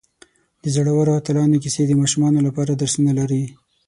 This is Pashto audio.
د زړورو اتلانو کیسې د ماشومانو لپاره درسونه لري.